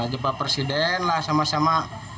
jumpa presiden lah sama sama